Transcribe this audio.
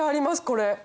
これ。